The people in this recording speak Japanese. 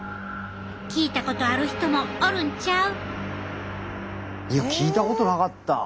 聞いたことある人もおるんちゃう？